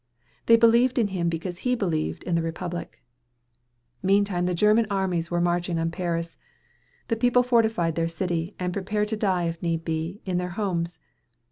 They believed in him because he believed in the Republic. Meantime the German armies were marching on Paris. The people fortified their city, and prepared to die if need be, in their homes.